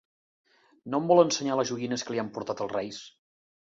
No em vol ensenyar les joguines que li han portat els Reis.